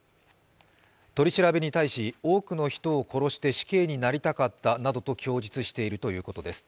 取り調べに対し、多くの人を殺して死刑になりたかったなどと供述しているということです。